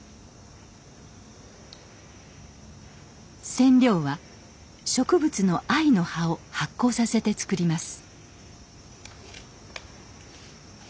染料は植物の藍の葉を発酵させて作ります。